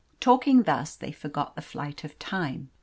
Talking thus they forgot the flight of time.